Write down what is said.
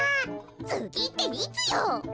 つぎっていつよ？